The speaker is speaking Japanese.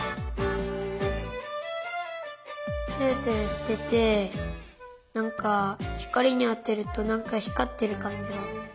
ツルツルしててなんかひかりにあてるとなんかひかってるかんじが。